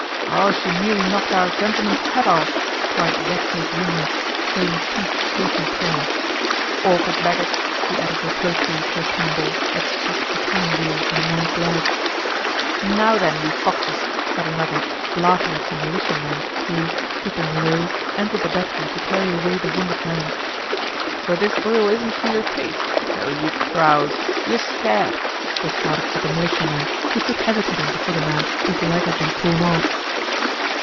"Oh, she nearly knocked our gentleman's hat off!" cried the red faced humorist, showing his teeth chaffing Pierre. "Awkward baggage!" he added reproachfully to a cannon ball that struck a cannon wheel and a man's leg. "Now then, you foxes!" said another, laughing at some militiamen who, stooping low, entered the battery to carry away the wounded man. "So this gruel isn't to your taste? Oh, you crows! You're scared!" they shouted at the militiamen who stood hesitating before the man whose leg had been torn off.